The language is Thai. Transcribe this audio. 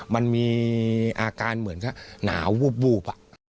มันมีอาการเหมือนก็หนาววูบ